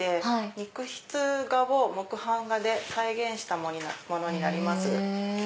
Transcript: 肉筆画を木版画で再現したものになります。